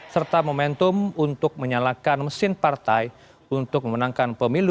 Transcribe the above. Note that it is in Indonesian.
serta momentum untuk menyalakan mesin partai untuk memenangkan pemilu dua ribu dua puluh empat